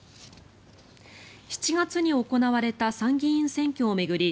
７月に行われた参議院選挙を巡り